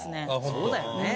そうだよね。